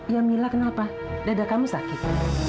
ya mila kenapa dada kamu sakit